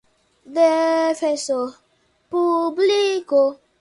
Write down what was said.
defensor público